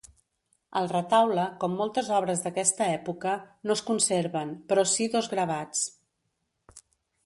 El retaule, com moltes obres d'aquesta època, no es conserven, però sí dos gravats.